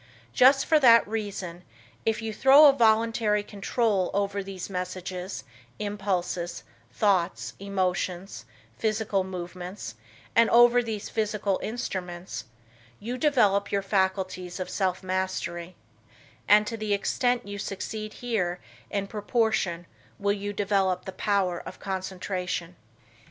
Just for that reason, if you throw a voluntary control over these messages, impulses, thoughts, emotions, physical movements and over these physical instruments you develop your faculties of self mastery and to the extent you succeed here in proportion will you develop the power of concentration.